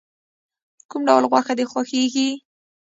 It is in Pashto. کوم ډول غوښه د خوښیږی؟